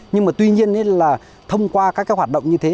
nhưng mà tuy nhiên là thông qua các cái hoạt động như thế